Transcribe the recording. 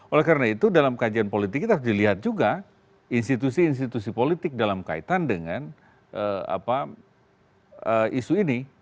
oleh karena itu dalam kajian politik kita harus dilihat juga institusi institusi politik dalam kaitan dengan isu ini